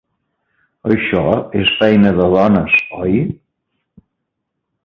Això és feina de dones, oi?